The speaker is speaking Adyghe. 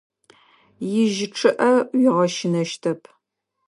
Ижьы чъыIэ уигъэщынэщтэп.